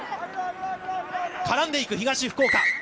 絡んでいく東福岡。